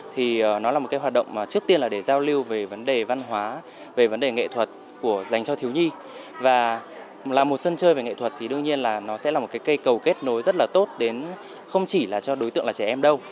thì đương nhiên là nó sẽ là một cái cây cầu kết nối rất là tốt đến không chỉ là cho đối tượng là trẻ em đâu